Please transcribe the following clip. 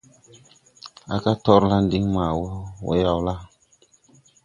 À ga: « Torla la diŋ ma wɔ mo yawla? ».